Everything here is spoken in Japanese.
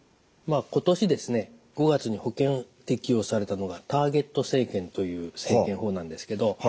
今年ですね５月に保険適用されたのがターゲット生検という生検法なんですけど